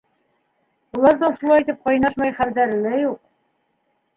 Уларҙың шулай итеп ҡайнашмай хәлдәре лә юҡ.